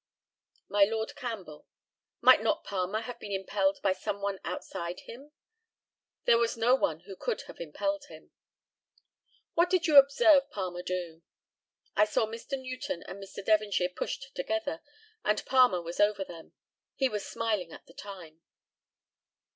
By Lord CAMPBELL. Might not Palmer have been impelled by some one outside him? There was no one who could have impelled him. What did you observe Palmer do? I saw Mr. Newton and Mr. Devonshire pushed together, and Palmer was over them. He was smiling at the time.